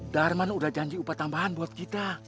darman udah janji upah tambahan buat kita